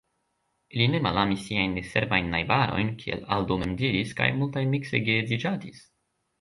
Ili ne malamis siajn neserbajn najbarojn, kiel Aldo mem diris, kaj multaj mikse geedziĝadis.